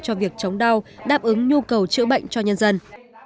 cho việc chống đau đáp ứng nhu cầu chữa bệnh cho nhân dân